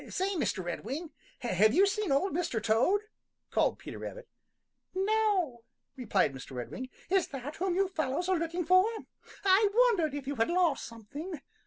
"Say, Mr. Redwing, have you seen Old Mr. Toad?" called Peter Rabbit. "No," replied Mr. Redwing. "Is that whom you fellows are looking for? I wondered if you had lost something.